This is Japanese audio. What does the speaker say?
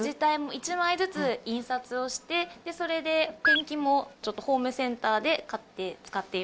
１枚ずつ印刷をしてそれでペンキもホームセンターで買って使っています。